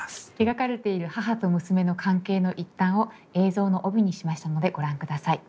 描かれている母と娘の関係の一端を映像の帯にしましたのでご覧ください。